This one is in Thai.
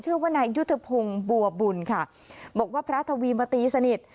ชื่อว่านายยุทธพงศ์บัวบุญค่ะบอกว่าพระทวีมาตีสนิท